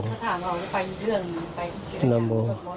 ไม่รู้ครับ